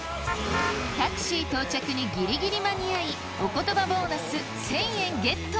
タクシー到着にギリギリ間に合いおことばボーナス１，０００円ゲット。